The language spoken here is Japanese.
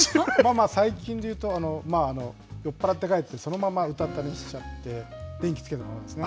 最近でいうと、酔っぱらって帰って、そのままうたた寝しちゃって、電気つけたままですね。